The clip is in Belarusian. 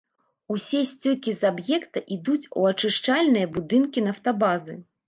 Усе сцёкі з аб'екта ідуць у ачышчальныя будынкі нафтабазы.